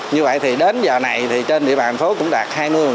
như vậy thì đến giờ này thì trên địa bàn thành phố cũng đạt hai mươi